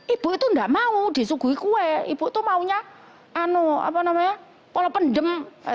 ibu itu enggak mau disuguhi kue ibu itu maunya kalau pendem